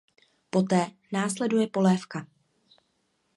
Poté následuje polévka.